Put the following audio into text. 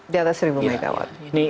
di atas seribu megawatt